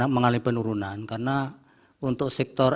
mengalami penurunan karena untuk sektor